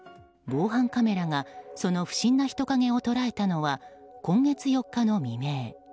防犯カメラがその不審な人影を捉えたのは今月４日の未明。